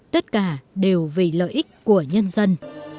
tất cả đều vì lợi ích của nhân dân